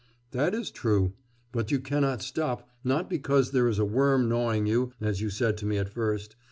'That is true; but you cannot stop, not because there is a worm gnawing you, as you said to me at first....